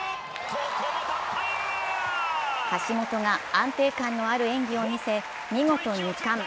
橋本が安定感のある演技を見せ見事２冠。